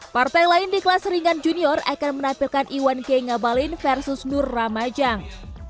partai lain di kelas ringan junior akan menampilkan iwan k ngabalin versus nur ramajang